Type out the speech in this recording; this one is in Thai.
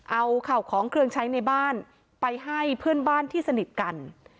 เอาข่าวของเครื่องใช้ในบ้านไปให้เพื่อนบ้านที่สนิทกัน